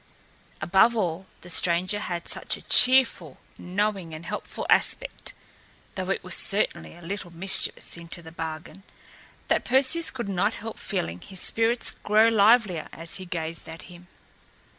Above all, the stranger had such a cheerful, knowing and helpful aspect (though it was certainly a little mischievous, into the bargain) that Perseus could not help feeling his spirits grow livelier as he gazed at him.